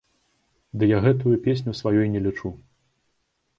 Ды я гэтую песню сваёй не лічу.